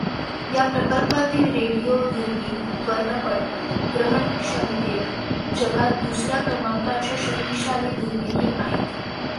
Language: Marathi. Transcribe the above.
या प्रकल्पातील रेडिओ दुर्बीण वर्णपट ग्रहणक्षमतेत जगात दुसर् या क्रमांकाच्या शक्तिशाली दुर्बिणी आहेत.